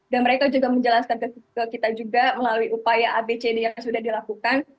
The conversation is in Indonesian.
dan mereka juga menjelaskan ke kita juga melalui upaya abcd yang sudah dilakukan